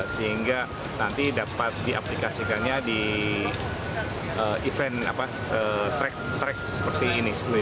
sehingga nanti dapat diaplikasikannya di event trek seperti ini seperti di off road ini